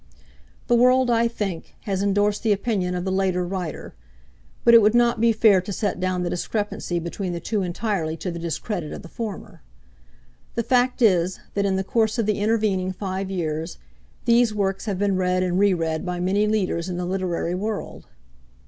The world, I think, has endorsed the opinion of the later writer; but it would not be fair to set down the discrepancy between the two entirely to the discredit of the former. The fact is that, in the course of the intervening five years, these works had been read and reread by many leaders in the literary world.